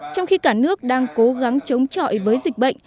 trong khi cả nước đang cố gắng chống chọi với dịch bệnh